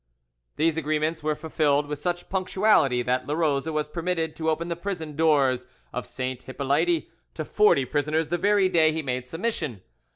These agreements were fulfilled with such punctuality, that Larose was permitted to open the prison doors of St. Hippolyte to forty prisoners the very day he made submission.